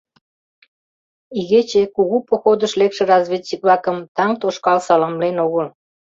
Игече кугу походыш лекше разведчик-влакым таҥ тошкал саламлен огыл.